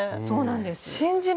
そうなんです。